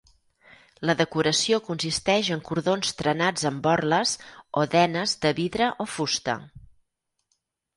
La decoració consisteix en cordons trenats amb borles o denes de vidre o fusta.